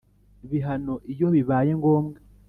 bihano iyo bibaye ngombwa